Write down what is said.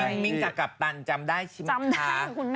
น้องมิ้งกับกัปตันจำได้ใช่ไหมคะจำได้คุณแม่